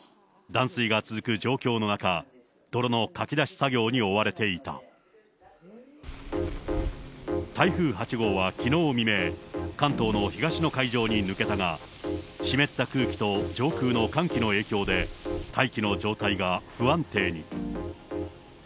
断水が続く状況の中、台風８号はきのう未明、関東の東の海上に抜けたが、湿った空気と上空の寒気の影響で、大気の状態が不安定に。